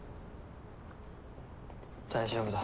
大丈夫だ。